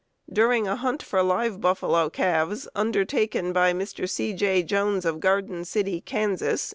During a hunt for live buffalo calves, undertaken by Mr. C. J. Jones of Garden City, Kans.